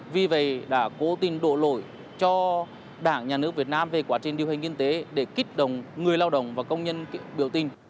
vì vậy đã cố tình đổ lỗi cho đảng nhà nước việt nam về quá trình điều hành kinh tế để kích động người lao động và công nhân biểu tình